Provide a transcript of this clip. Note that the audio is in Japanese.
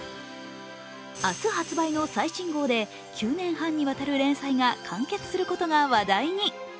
明日発売の最新号で９年半にわたる連載が完結することが話題に。